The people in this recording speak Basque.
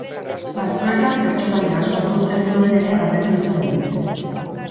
Batzuetan, pertsonaia asmatu ote genuen ere galdetu izan digute.